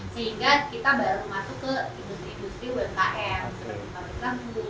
sehingga kita baru masuk ke industri industri umkm